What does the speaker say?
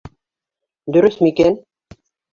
Дөрөҫмө икән?